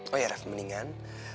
oh ya ref mendingan